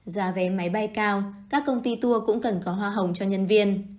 giá vé máy bay cao các công ty tour cũng cần có hoa hồng cho nhân viên